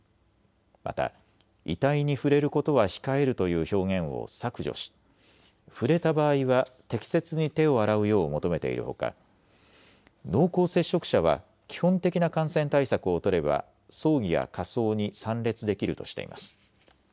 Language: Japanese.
また遺体に触れることは控えるという表現を削除し、触れた場合は適切に手を洗うよう求めているほか濃厚接触者は基本的な感染対策を取れば葬儀や火葬に参列できるとしています。